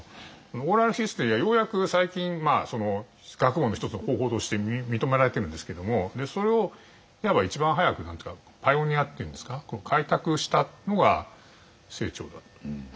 オーラルヒストリーはようやく最近学問の一つの方法として認められてるんですけどもそれをいわば一番早くパイオニアっていうんですか開拓したのが清張だと。